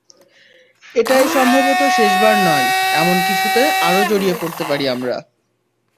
এটাই সম্ভবত শেষবার নয়, এমন কিছুতে আরও জড়িয়ে পড়তে পারি আমরা।